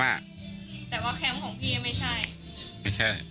แต่ว่าแคมป์ของพี่ไม่ใช่ไม่ใช่